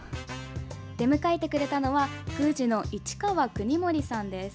出迎えてくれたのは宮司の市川久仁守さんです。